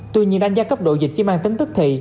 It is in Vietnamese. tuy nhiên đánh giá cấp độ dịch chỉ mang tính tức thị